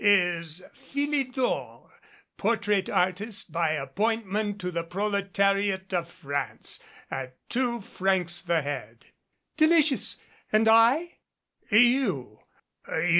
"Is Philidor, portrait artist, by appointment to the proletariat of France, at two francs the head." "Delicious! And I ?" "You?